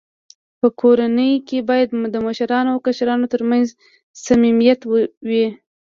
په کورنۍ کي باید د مشرانو او کشرانو ترمنځ صميميت وي.